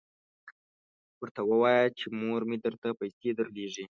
ورته ووایه چې مور مې درته پیسې درلیږي.